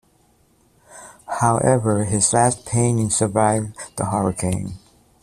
However, his last painting survived the hurricane.